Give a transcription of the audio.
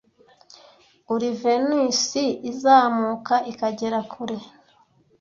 uri venusi izamuka ikagera kure